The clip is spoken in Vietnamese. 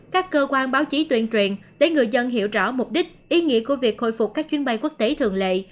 các cơ quan báo chí tuyên truyền để người dân hiểu rõ mục đích ý nghĩa của việc khôi phục các chuyến bay quốc tế thường lệ